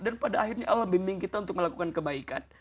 dan pada akhirnya allah membimbing kita untuk melakukan kebaikan